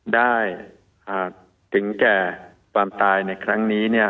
ได้ถึงแก่ความตายในครั้งนี้